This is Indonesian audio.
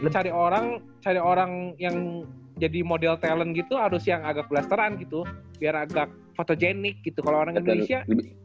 cari orang yang jadi model talent gitu harus yang agak blasteran gitu biar agak fotogenik gitu kalo orang indonesia